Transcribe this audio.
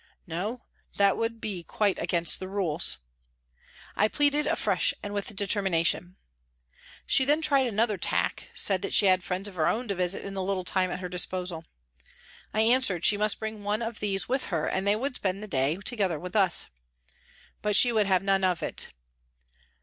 " No, that would be quite against the rules." I pleaded afresh and with determination. She then tried another tack, said that she had friends of her own to visit in the little time at her disposal. I answered she must bring one of these with her and they would spend the day together with us. But she would have none of it.